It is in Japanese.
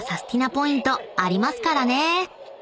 ポイントありますからね］